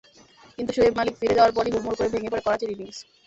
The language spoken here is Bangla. কিন্তু শোয়েব মালিক ফিরে যাওয়ার পরই হুড়মুড় করে ভেঙে পড়ে করাচির ইনিংস।